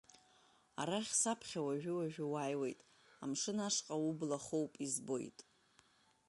Арахь саԥхьа уажәы-уажәы уааиуеит, амшын ашҟа убла хоуп, избоит…